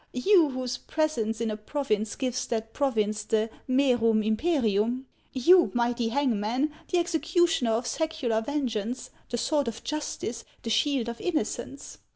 You, whose presence in a province gives that province the mc rum impcrium ! l You, mighty hangman, the executioner of secular vengeance, the sword of justice, the shield of innocence